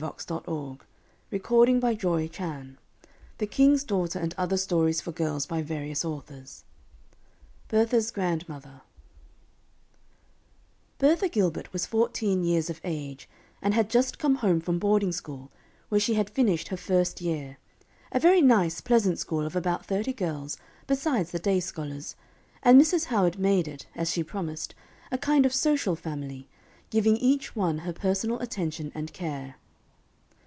As for Wee Janet, to this day she sometimes wonders how it all came about. BERTHA'S GRANDMOTHER Bertha Gilbert was fourteen years of age, and had just come home from boarding school, where she had finished her first year a very nice, pleasant school, of about thirty girls, besides the day scholars; and Mrs. Howard made it, as she promised, a kind of social family, giving each one her personal attention and care.